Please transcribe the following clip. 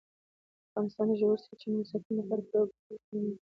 افغانستان د ژورې سرچینې د ساتنې لپاره پوره او ګټور قوانین لري.